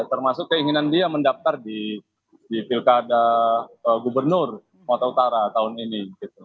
termasuk keinginan dia mendaftar di pilkada gubernur kota utara tahun ini